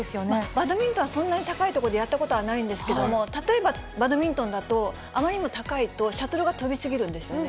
バドミントンはそんなに高いとこでやったことはないんですけれども、例えば、バドミントンだと、あまりにも高いとシャトルが飛びすぎるんですよね。